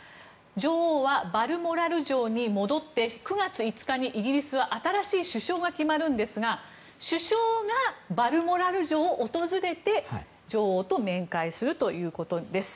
女王はバルモラル城に戻って９月５日にイギリスは新しい首相が決まるんですが首相がバルモラル城を訪れて女王と面会するということです。